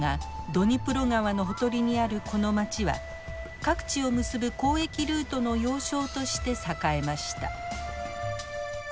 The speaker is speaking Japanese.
ドニプロ川のほとりにあるこの街は各地を結ぶ交易ルートの要衝として栄えました。